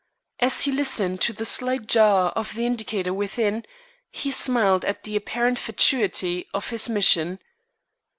As he listened to the slight jar of the indicator within, he smiled at the apparent fatuity of his mission.